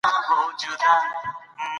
که غواړې بریالی واوسې؛ نو ځان قوي وښیاست.